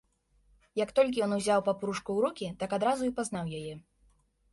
Як толькі ён узяў папружку ў рукі, так адразу і пазнаў яе.